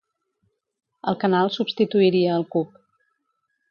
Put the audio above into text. El canal substituiria el Cub.